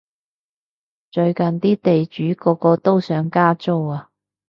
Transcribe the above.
最近啲地主個個都想加租啊